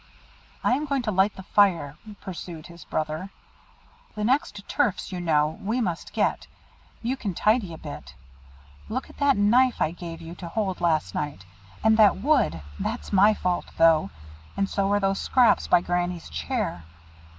"I am going to light the fire," pursued his brother; "the next turfs, you know, we must get you can tidy a bit. Look at that knife I gave you to hold last night, and that wood that's my fault though, and so are those scraps by Granny's chair.